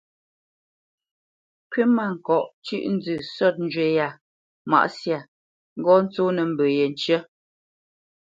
"Kywítmâŋkɔʼ ncyə̂ʼ nzə sə̂t njywí yâ mǎʼ syâ; ŋgɔ́ ntsônə́ mbə yé ncə́."